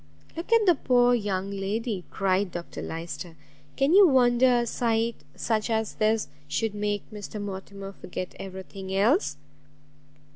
"Look at the poor young lady!" cried Dr Lyster; "can you wonder a sight such as this should make Mr Mortimer forget every thing else?"